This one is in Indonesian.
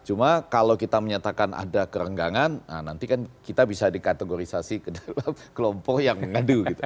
cuma kalau kita menyatakan ada kerenggangan nanti kan kita bisa dikategorisasi ke dalam kelompok yang mengadu gitu